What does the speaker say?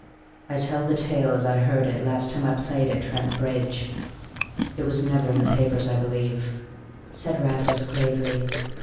"I tell the tale as I heard it last time I played at Trent Bridge; it was never in the papers, I believe," said Raffles gravely.